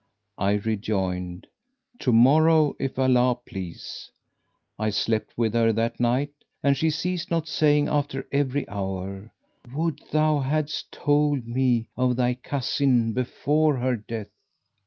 I rejoined, "To morrow, if Allah please!"[FN#520] I slept with her that night, and she ceased not saying after every hour, "Would thou hadst told me of thy cousin before her death!"